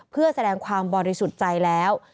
เพื่อแสดงความบริสุทธิ์ใจแล้ว